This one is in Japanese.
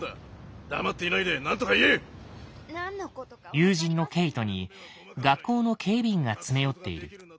友人のケイトに学校の警備員が詰め寄っている。